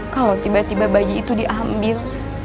kalau tiba tiba bayi itu diambil